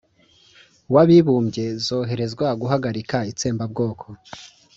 w'abibumbye zoherezwa guhagarika itsembabwoko,